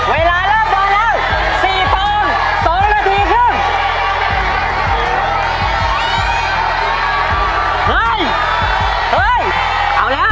เวลาเริ่มเดินแล้ว๔ตอน๒นาทีครึ่ง